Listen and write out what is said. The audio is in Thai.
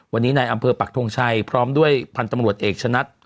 วันนี้ในอำเภอปักทงชัยพร้อมด้วยพันธุ์ตำรวจเอกชะนัด